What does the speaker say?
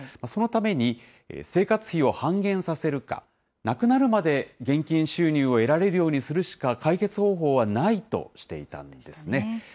そのために、生活費を半減させるか、亡くなるまで現金収入を得られるようにするしか、解決方法はないとしていたんですね。